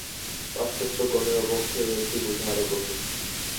পাশ্চাত্যগণের পক্ষে এটি বুঝা আরও কঠিন।